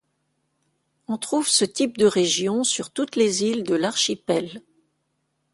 On trouve ce type de région sur toutes les îles de l’archipel.